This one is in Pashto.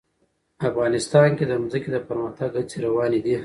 افغانستان کې د ځمکه د پرمختګ هڅې روانې دي.